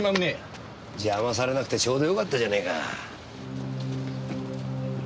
邪魔されなくてちょうど良かったじゃねえか。